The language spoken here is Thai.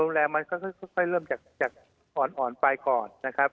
ตั้งแต่ความรุนแรมมันก็ค่อยเริ่มจากอ่อนไปก่อน